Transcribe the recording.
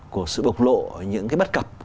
của sự bộc lộ những cái bất cập